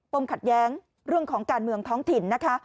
ขัดแย้งเรื่องของการเมืองท้องถิ่นนะคะ